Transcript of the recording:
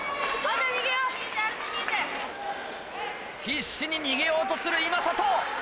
・必死に逃げようとする今里。